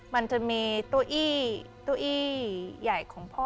มันจะมีตัวอี้ตัวอี้ใหญ่ของพ่อ